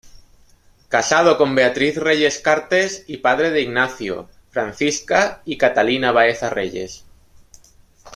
Casado con Beatriz Reyes Cartes y padre de Ignacio, Francisca y Catalina Baeza Reyes.